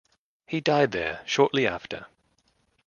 He died there shortly after.